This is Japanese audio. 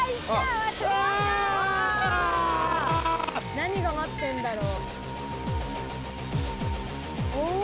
何が待ってんだろう？